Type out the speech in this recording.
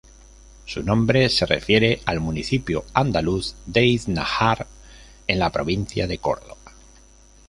Su nombre se refiere al municipio andaluz de Iznájar, en la provincia de Córdoba.